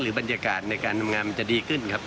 บรรยากาศในการทำงานมันจะดีขึ้นครับ